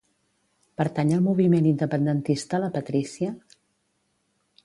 Pertany al moviment independentista la Patricia?